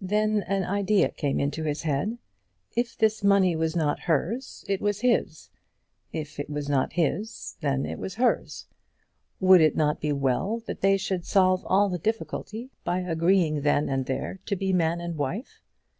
Then an idea came into his head. If this money was not hers, it was his. If it was not his, then it was hers. Would it not be well that they should solve all the difficulty by agreeing then and there to be man and wife?